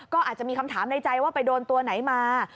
ก็อาจจะมีคำถามในใจว่าไปโดนตัวไหนมา